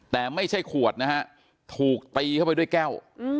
แต่ไม่ใช่ขวดนะฮะถูกตีเข้าไปด้วยแก้ว